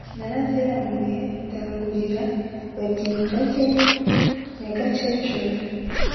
naraziraguye ndagurira benginzage nyagakecuru